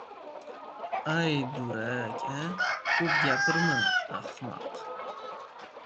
— Ay durak, a? Kup gapirma, axmak!